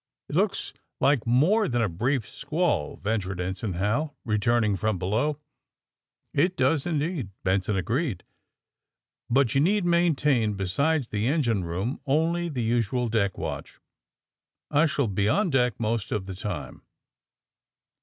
^^ It looks like more than a brief sqnall, '' ven tured Ensign Hal, returning from below. *^ It does, indeed, '' Benson agreed. '^ But you need maintain, besides the engine room man, only the usual deck, watch. I shall be on deck most of the time."